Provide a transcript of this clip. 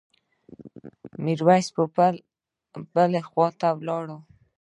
میرویس پوپل بلې خواته ولاړ.